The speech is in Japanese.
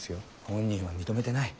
本人は認めてない。